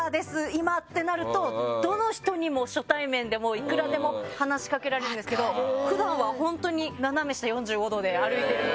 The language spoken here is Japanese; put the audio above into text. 今ってなるとどの人にも初対面でもいくらでも話しかけられるんですけど普段は本当に斜め下４５度くらいで歩いている。